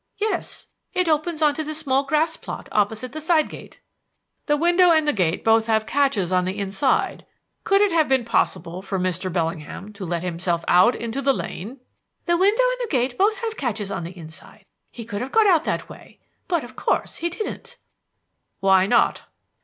"Yes. It opens on to the small grass plot opposite the side gate." "The window and the gate both have catches on the [Transcriber's note: possibly missing words: 'inside. Could it'] have been possible for Mr. Bellingham to let himself out into the lane?" "The window and gate both have catches on the inside. He could have got out that way, but, of course he didn't." "Why not?"